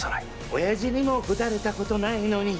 おやじにもぶたれたことないのに！